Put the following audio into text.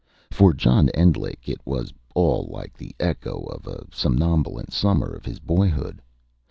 For John Endlich it was all like the echo of a somnolent summer of his boyhood.